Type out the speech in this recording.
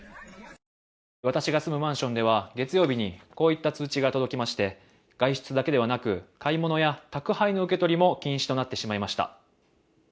私が住むマンションでは、月曜日にこういった通知が届きまして、外出だけではなく買い物や宅配の受け取りも禁止となってしまいました。